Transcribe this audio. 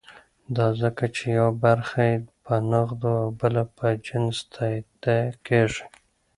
دا ځکه چې یوه برخه یې په نغدو او بله په جنس تادیه کېږي.